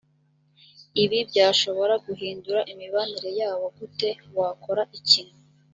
ibi byashobora guhindura imibanire yabo gute wakora iki